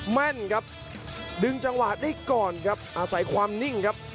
แม่นครับดึงจังหวะได้ก่อนครับอาศัยความนิ่งครับ